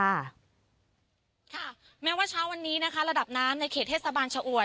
ค่ะแม้ว่าเช้าวันนี้นะคะระดับน้ำในเขตเทศบาลชะอวด